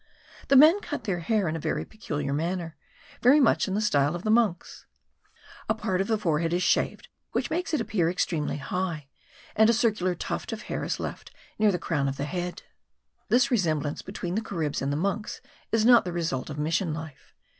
The men cut their hair in a very peculiar manner, very much in the style of the monks. A part of the forehead is shaved, which makes it appear extremely high, and a circular tuft of hair is left near the crown of the head. This resemblance between the Caribs and the monks is not the result of mission life.